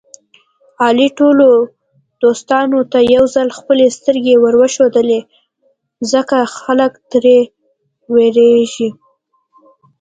علي ټولو دوستانو ته یوځل خپلې سترګې ورښودلې دي. ځکه خلک تر وېرېږي.